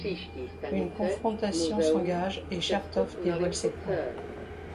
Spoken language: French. Une confrontation s'engage et Chertoff dévoile ses plans.